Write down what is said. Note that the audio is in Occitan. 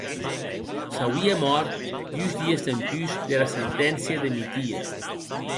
S'auie mòrt dus dies dempús dera senténcia de Mitia.